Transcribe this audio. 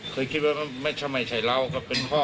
เคยคิดว่าไม่ใช่เราก็เป็นพ่อ